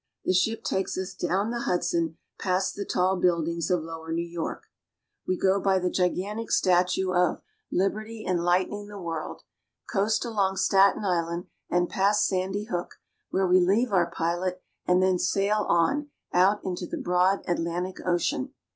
The ship takes us down the Hudson past the tall buildings of lower New York. We go by the gigantic 14 ACROSS THE ATLANTIC TO EUROPE. statue of " Liberty Enlightening the World," coast along Staten Island and past Sandy Hook, where we leave our pilot, and then sail on out into the broad Atlantic Ocean.